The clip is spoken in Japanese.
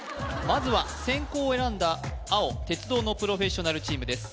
まずは先攻を選んだ青鉄道のプロフェッショナルチームです